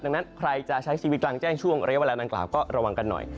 ดังนั้นใครจะใช้ชีวิตกลางแจ้งช่วงระยะเวลานางกล่าวก็ระวังกันหน่อย